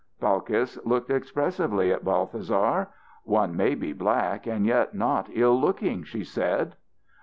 Balkis looked expressively at Balthasar. "One may be black and yet not ill looking," she said.